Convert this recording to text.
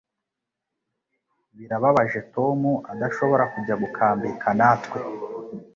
Birababaje Tom adashobora kujya gukambika natwe.